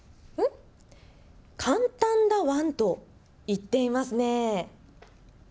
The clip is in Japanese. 簡単だワンと言っていますね。